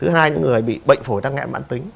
thứ hai những người bị bệnh phổi tăng nghẹn mạn tính